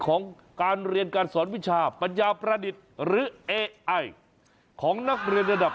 คนประดิษฐ์เป็นเด็กมต้นนะครับ